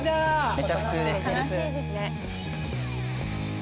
めっちゃ普通ですね。